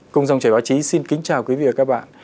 cùng dòng chảy báo chí xin kính chào quý vị và các bạn